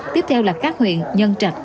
tiếp theo là các huyện nhân trạch